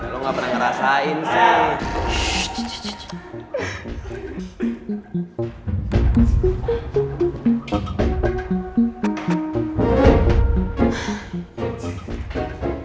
lo gak pernah ngerasain sih